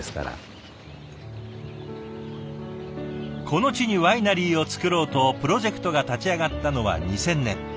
この地にワイナリーを作ろうとプロジェクトが立ち上がったのは２０００年。